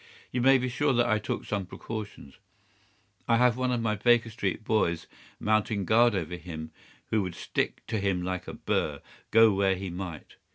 "You may be sure that I took some precautions. I have one of my Baker Street boys mounting guard over him who would stick to him like a burr, go where he might.